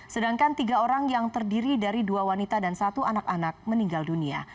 sedangkan tiga orang yang terdiri dari dua wanita dan satu anak anak meninggal dunia